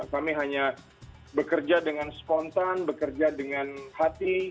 kami hanya bekerja dengan spontan bekerja dengan hati